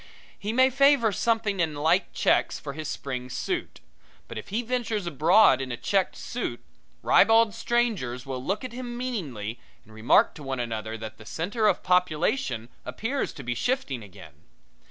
He may favor something in light checks for his spring suit; but if he ventures abroad in a checked suit, ribald strangers will look at him meaningly and remark to one another that the center of population appears to be shifting again.